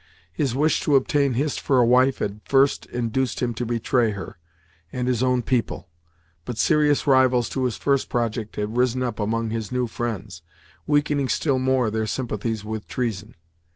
His wish to obtain Hist for a wife had first induced him to betray her, and his own people, but serious rivals to his first project had risen up among his new friends, weakening still more their sympathies with treason.